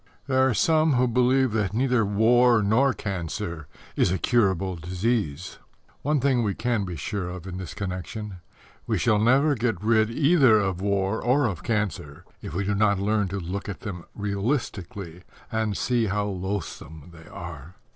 There are some who believe that neither war nor cancer is a curable disease. One thing we can be sure of in this connection: we shall never get rid either of war or of cancer if we do not learn to look at them realistically and see how loathsome they are.